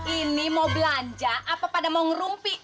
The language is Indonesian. ini mau belanja apa pada mau ngerumpik